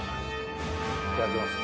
いただきます。